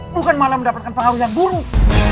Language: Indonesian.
bukan malah mendapatkan pengaruh yang buruk